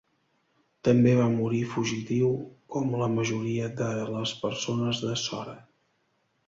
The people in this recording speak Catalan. També va morir fugitiu com la majoria de les persones de Sora.